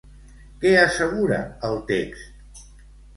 Què assegura el text?